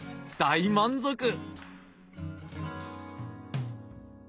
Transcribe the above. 大満足！